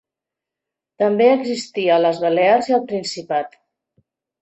També existia a les Balears i al Principat.